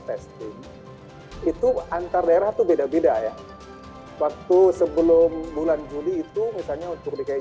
testing itu antar daerah itu beda beda ya waktu sebelum bulan juli itu misalnya untuk dki